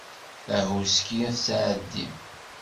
Tahuski tettɛeddi.